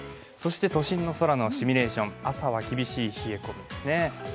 都心の空のシミュレーション、朝は厳しい冷え込みですね。